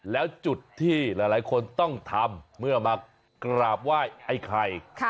แล้วจุดที่หลายคนต้องทำเมื่อมากราบไหว้ไอ้ไข่